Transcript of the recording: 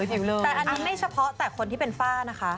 แต่อันนั้นไม่เฉพาะแต่คนที่เป็นฝ้านะคะ